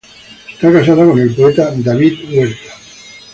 Está casada con el poeta David Huerta.